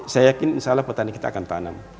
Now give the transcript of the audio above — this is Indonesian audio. saya yakin insya allah petani kita akan tanam